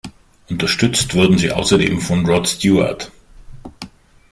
Unterstützt wurden sie außerdem von Rod Stewart.